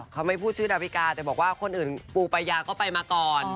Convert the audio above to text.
เขาไม่พูดชื่อดาวิกาแต่บอกว่าคนอื่นปูปายาก็ไปมาก่อน